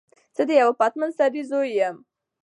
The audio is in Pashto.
زه د یوه پتمن سړی زوی یم.